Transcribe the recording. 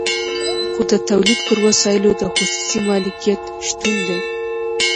خو د تولید پر وسایلو د خصوصي مالکیت شتون دی